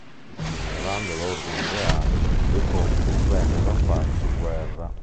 Ignorando l'ordine reale, i due conti vennero a farsi guerra.